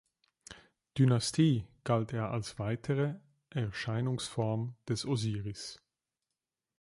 Dynastie galt er als weitere Erscheinungsform des Osiris.